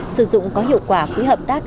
sử dụng có hiệu quả quỹ hợp tác